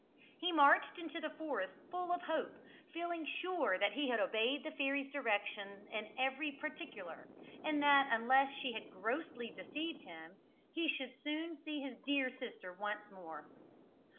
He marched into the forest full of hope, feeling sure that he had obeyed the fairy's directions in every particular, and that unless she had grossly deceived him, he should soon see his dear sister once more.